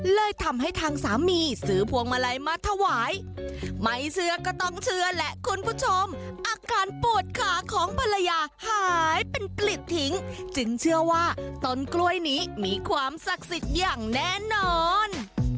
เลยทำให้ทางสามีซื้อพวงมาลัยมาถวายไม่เชื่อก็ต้องเชื่อแหละคุณผู้ชมอาการปวดขาของภรรยาหายเป็นกลิดทิ้งจึงเชื่อว่าต้นกล้วยนี้มีความศักดิ์สิทธิ์อย่างแน่นอน